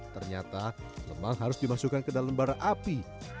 ternyata lemang harus dimasukkan ke dalam bara api